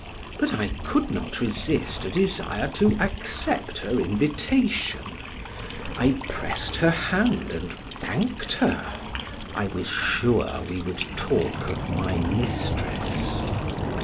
But I could not resist a desire to accept her invitation; I pressed her hand and thanked her; I was sure we would talk of my mistress.